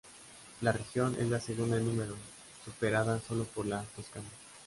La región es la segunda en número, superada sólo por la Toscana.